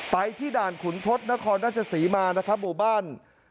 ไปที่ด่านขุนทศนครราชสีมาบุบัน